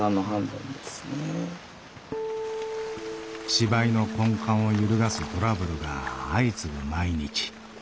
芝居の根幹を揺るがすトラブルが相次ぐ毎日。